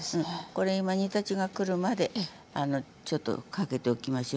これ今煮立ちが来るまでちょっとかけておきましょう。